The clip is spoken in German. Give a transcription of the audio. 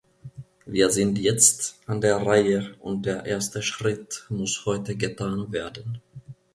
Wir sind jetzt an der Reihe und der erste Schritt muss heute getan werden.